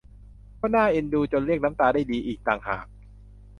ก็น่าเอ็นดูจนเรียกน้ำตาได้ดีอีกต่างหาก